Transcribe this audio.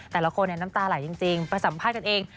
แต่ละคนน้ำตาไหลจริงไปสัมภาษณ์กันเอง